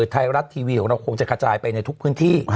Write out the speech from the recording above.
ไทยรัฐทีวีของเราคงจะกระจายไปในทุกพื้นที่